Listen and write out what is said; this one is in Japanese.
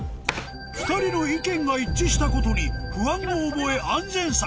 ２人の意見が一致したことに不安を覚え安全策